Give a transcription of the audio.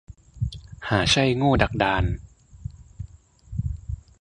หาใช่โง่ดักดาน